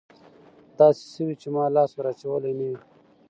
داسې شوي چې ما لاس ور اچولى نه وي.